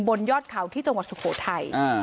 บนยอดเขาที่จังหวัดสุโขทัย